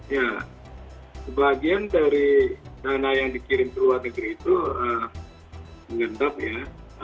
ya sebagian dari dana yang dikirim ke luar negeri itu mengendap ya